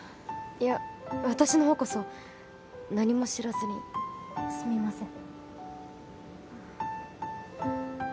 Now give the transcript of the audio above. いや私のほうこそ何も知らずにすみません。